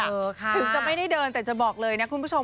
ถึงจะไม่ได้เดินแต่จะบอกเลยนะคุณผู้ชม